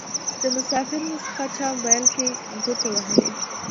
له مسافرينو څخه چا موبايل کې ګوتې وهلې.